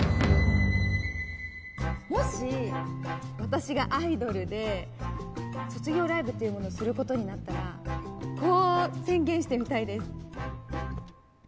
もし私がアイドルで卒業ライブというものをする事になったらこう宣言してみたいです。